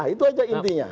itu aja intinya